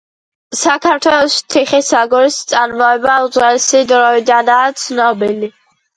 საქართველოში თიხის აგურის წარმოება უძველესი დროიდანაა ცნობილი.